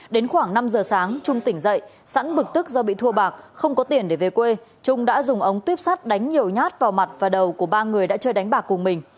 đến khoảng năm giờ sáng trung tỉnh dậy sẵn bực tức do bị thua bạc không có tiền để về quê trung đã dùng ống tuyếp sắt đánh nhiều nhát vào mặt và đầu của ba người đã chơi đánh bạc cùng mình